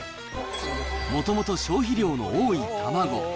もともと消費量の多い卵。